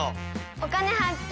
「お金発見」。